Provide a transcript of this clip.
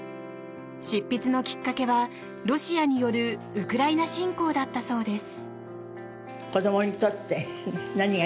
執筆のきっかけは、ロシアによるウクライナ侵攻だったそうです。